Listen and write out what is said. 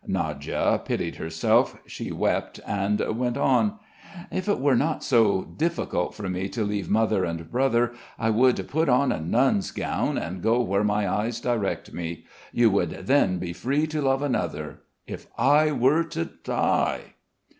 Nadya pitied herself. She wept and went on. "If it were not so difficult for me to leave mother and brother I would put on a nun's gown and go where my eyes direct me. You would then be free to love another. If I were to die!"